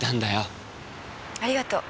ありがとう。